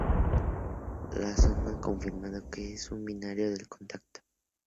La sonda ha confirmado que es un binario de contacto.